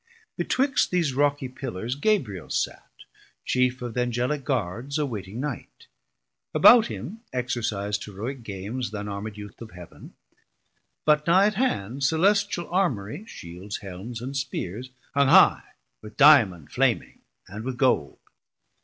Betwixt these rockie Pillars Gabriel sat Chief of th' Angelic Guards, awaiting night; 550 About him exercis'd Heroic Games Th' unarmed Youth of Heav'n, but nigh at hand Celestial Armourie, Shields, Helmes, and Speares Hung high with Diamond flaming, and with Gold.